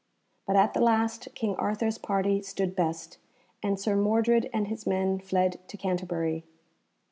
But at the last King Arthur's party stood best, and Sir Mordred and his men fled to Canterbury.